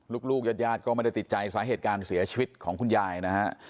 ลูกญาติญาติก็ไม่ได้ติดใจสาเหตุการเสียชีวิตของคุณยายนะฮะ